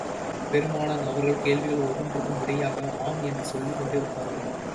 பெருமானார் அவர்கள், கேள்விகள் ஒவ்வொன்றுக்கும் விடையாக ஆம் என்று சொல்லிக் கொண்டே வந்தார்கள்.